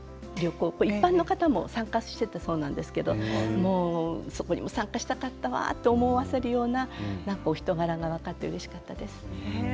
一般の方も参加していたそうなんですけどそこにも参加したかったわと思わせるようなお人柄が分かってうれしかったです。